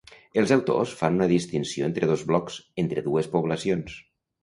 Els autors fan una distinció entre dos blocs, entre dues poblacions.